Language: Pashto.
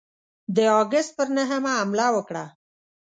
د آګسټ پر نهمه حمله وکړه.